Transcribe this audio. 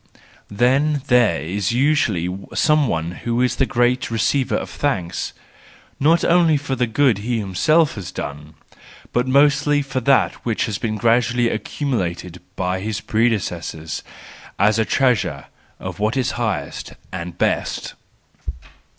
Then there is usually some one who is the great receiver of thanks, not only for the good he himself has done, but mostly for that which has been gradually accumulated by his predecessors, as a treasure of what is highest and best.